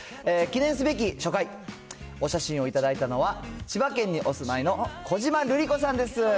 記念すべき初回、お写真を頂いたのは、千葉県にお住いの小島瑠璃子さんです。